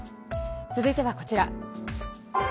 続いてはこちら。